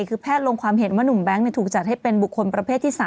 คือแพทย์ลงความเห็นว่านุ่มแบงค์ถูกจัดให้เป็นบุคคลประเภทที่๓